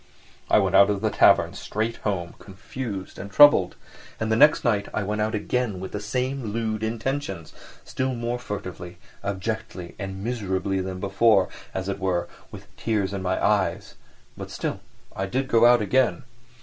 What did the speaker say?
I went out of the tavern straight home, confused and troubled, and the next night I went out again with the same lewd intentions, still more furtively, abjectly and miserably than before, as it were, with tears in my eyes—but still I did go out again.